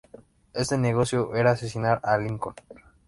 Este negocio era asesinar a Lincoln.